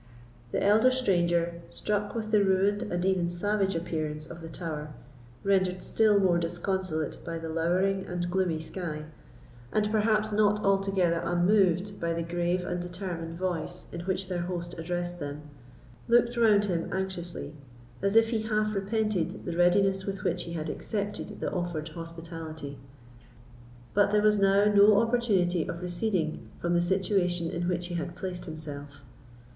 The elder stranger, struck with the ruined and even savage appearance of the Tower, rendered still more disconsolate by the lowering and gloomy sky, and perhaps not altogether unmoved by the grave and determined voice in which their host addressed them, looked round him anxiously, as if he half repented the readiness with which he had accepted the offered hospitality. But there was now no opportunity of receding from the situation in which he had placed himself.